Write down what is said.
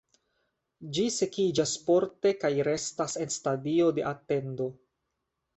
Ĝi sekiĝas porte kaj restas en stadio de atendo.